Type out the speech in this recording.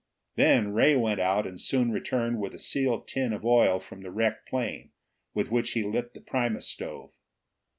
Then Ray went out and soon returned with a sealed tin of oil from the wrecked plane, with which he lit the primus stove.